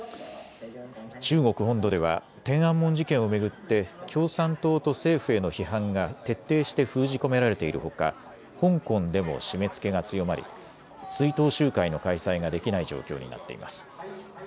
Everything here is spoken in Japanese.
中国本土では天安門事件を巡って共産党と政府への批判が徹底して封じ込められているほか香港でも締めつけが強まり追悼集会の開催ができない状況になっています。